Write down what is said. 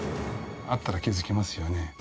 あったら気付きますよね。